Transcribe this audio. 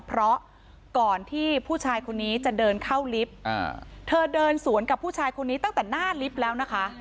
เพราะก่อนที่ผู้ชายคนนี้จะเดินเข้าลิฟต์เธอเดินสวนกับผู้ชายคนนี้ตั้งแต่หน้าลิฟต์แล้วนะคะ